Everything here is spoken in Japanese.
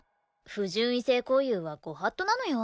不純異性交遊はご法度なのよ。